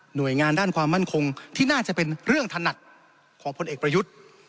โดยงานด้านความมั่นคงที่น่าจะเป็นเรื่องถนัดของพลเอกประยุทธ์